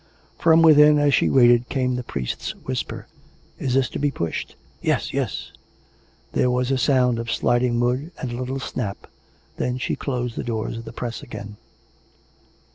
... From within, as she waited, came the priest's whisper. " Is this to be pushed ■?" "Yes; yes." There was the sound of sliding wood and a little snap. Then she closed the doors of the press again.